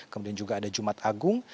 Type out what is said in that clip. kemudian juga ada jumat agung